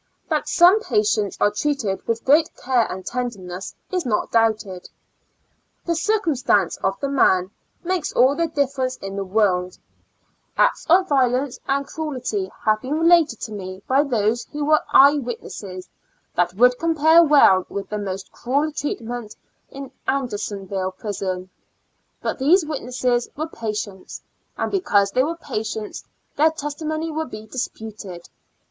That some patients are treated with great care and tenderness, is not doubtedr The circumstances of the man makes all the difference in the world/ Acts of violeiKje and cruelty have been related to me by those who were eye wit nesses, that would compare well with the most cruel treatment in Andersonville prison. But these witnesses were patients, and because they were patients^ their testi mony will be disputed.